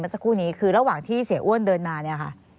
สักครู่นี้คือระหว่างที่เสียอ้วนเดินมาเนี่ยค่ะ